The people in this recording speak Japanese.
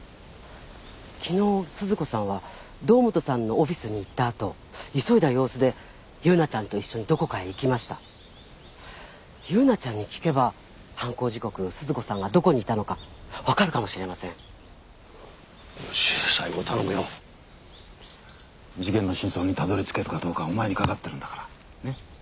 昨日鈴子さんは堂本さんのオフィスに行ったあと急いだ様子で優奈ちゃんと一緒にどこかへ行きました優奈ちゃんに聞けば犯行時刻鈴子さんがどこにいたのか分かるかもしれませんよし西郷頼むよ事件の真相にたどり着けるかどうかはお前にかかってるんだからねっ？